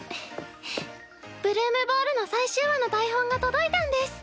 「ブルームボール」の最終話の台本が届いたんです。